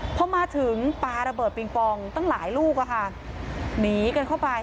พอมาถึงปลาระเบิดปิงปองตั้งหลายลูกอะค่ะหนีกันเข้าไป